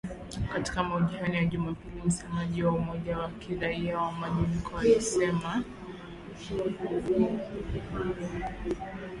Katika mahojiano ya Jumapili, msemaji wa 'Umoja wa Kiraia kwa Mabadiliko' alisema hawajafurahishwa na upendeleo wa tume ya uchaguzi na polisi